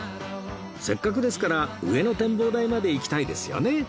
せっかくですから上の展望台まで行きたいですよね